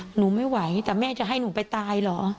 หนูไม่ไหวแต่แม่จะให้หนูไปตายเหรอ